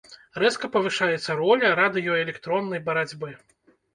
Рэзка павышаецца роля радыёэлектроннай барацьбы.